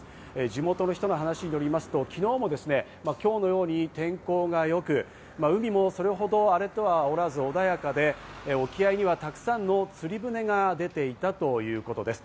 地元の人の話よりますと、昨日も今日のように天候がよく、海もそれほど荒れてはおらず穏やかで、沖合にはたくさんの釣り船が出ていたということです。